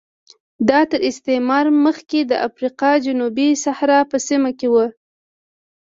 دا تر استعمار مخکې د افریقا جنوبي صحرا په سیمه کې و